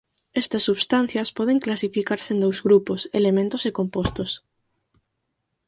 Estas substancias poden clasificarse en dous grupos; elementos e compostos.